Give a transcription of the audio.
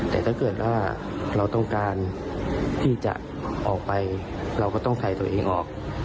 แต่ถ้าเกิดว่าเราต้องการที่จะออกไปเราก็ต้องถ่ายตัวเองออก